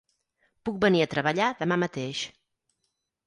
Puc venir a treballar demà mateix.